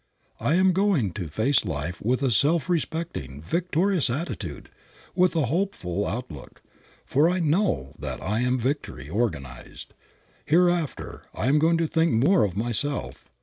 I am going to face life with a self respecting, victorious attitude, with a hopeful outlook, for I know that I am victory organized. Hereafter I am going to think more of myself.